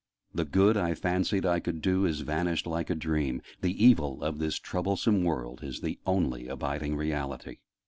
"The good I fancied I could do is vanished like a dream: the evil of this troublesome world is the only abiding reality!"